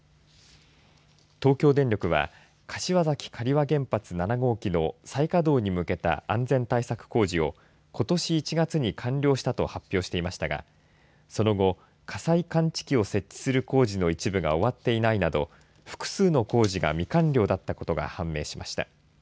東京電力は柏崎刈羽原発７号機の再稼働に向けた安全対策工事をことし１月に完了したと発表していましたがその後、火災感知器を設置する工事の一部が終わっていないなど複数の工事が未完了だったことが判明しました。